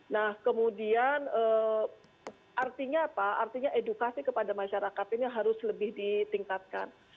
nah kemudian artinya apa artinya edukasi kepada masyarakat ini harus lebih ditingkatkan